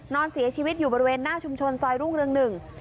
นอนเสียชีวิตอยู่บริเวณหน้าชุมชนซอยรุ่งเรืองหนึ่ง